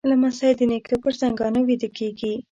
لمسی د نیکه پر زنګانه ویده کېږي.